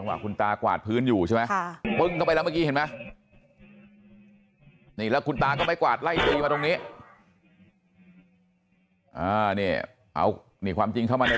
ออกไปใหม่